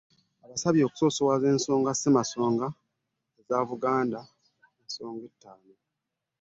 Abasabye okusoosowaza ensonga za Buganda Ssemasonga ettaano